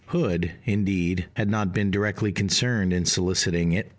Hood, indeed, had not been directly concerned in soliciting it.